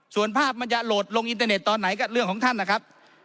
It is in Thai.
ส่วนภาพมันจะโหลดลงอินเทอร์เน็ตตอนไหนก็เรื่องของท่านนะครับ